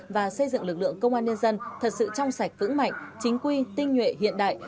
và xây dựng lực lượng công an nhân dân thật sự trong sạch vững mạnh chính quy tinh nhuệ hiện đại